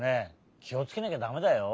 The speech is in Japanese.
きをつけなきゃだめだよ。